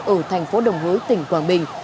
ở thành phố đồng hứa tỉnh quảng bình